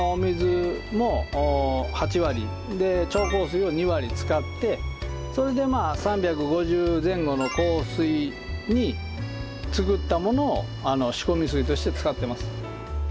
それを６７の使ってそれで３５０前後の硬水に作ったものを仕込み水として使ってます。